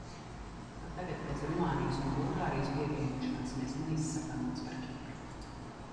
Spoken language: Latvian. Pat tagad, pēc Rumānijas un Bulgārijas pievienošanās, mēs neizsakāmies par Kipru.